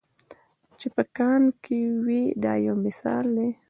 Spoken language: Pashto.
چې په کان کې وي دا یو مثال دی.